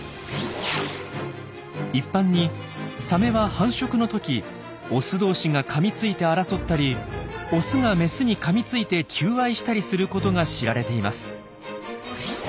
一般にサメは繁殖の時オス同士がかみついて争ったりオスがメスにかみついて求愛したりすることが知られています。